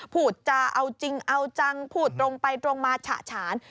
พูดจาเอาจริงเอาจังพูดตรงไปตรงมาฉะฉาน